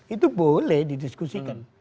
itu boleh didiskusikan